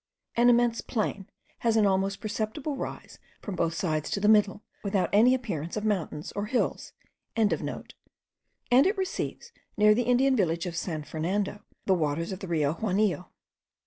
An immense plain has an almost imperceptible rise from both sides to the middle, without any appearance of mountains or hills.) and it receives, near the Indian village of San Fernando, the waters of the Rio Juanillo.